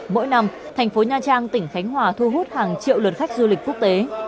mỗi năm thành phố nha trang tỉnh khánh hòa thu hút hàng triệu lượt khách du lịch quốc tế